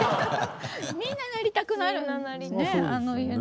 みんななりたくなるんですね